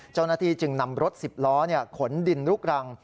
เจ้าหน้าที่จึงนำรถ๑๐ล้อขนดินลูกรัง